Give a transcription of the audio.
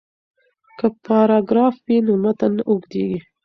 که پاراګراف وي نو متن نه اوږدیږي.